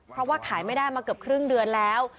เพราะว่าขายไม่ได้มาเกือบครึ่งเดือนแล้ว